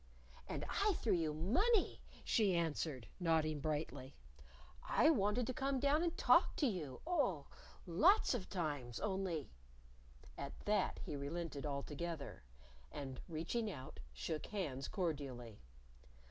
"And I threw you money," she answered, nodding brightly. "I wanted to come down and talk to you, oh, lots of times, only " At that, he relented altogether. And, reaching out, shook hands cordially.